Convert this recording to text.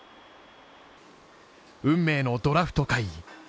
運命のドラフト会議。